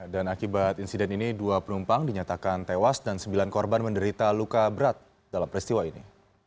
dan akibat insiden ini dua penumpang dinyatakan tewas dan sembilan korban menderita luka berat dalam peristiwa ini